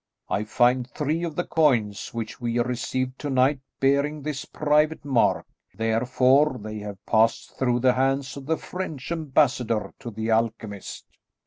I find three of the coins which we received to night bearing this private mark; therefore, they have passed through the hands of the French ambassador to the alchemist."